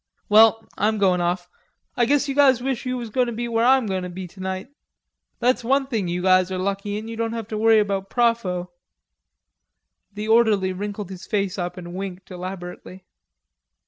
Well, I'm going off, I guess you guys wish you was going to be where I'm goin' to be tonight.... That's one thing you guys are lucky in, don't have to worry about propho." The orderly wrinkled his face up and winked elaborately.